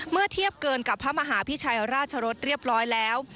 เมื่อเทียบเกินกับพระมหาพิชัยราชรสเรียบร้อยแล้ว